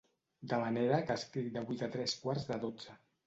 De manera que escric de vuit a tres quarts de dotze.